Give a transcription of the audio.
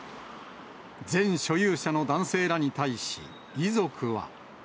前所有者の男性らに対し、遺族は。